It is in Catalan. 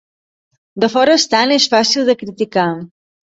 De fora estant és fàcil de criticar.